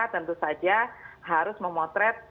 tentu saja harus memotret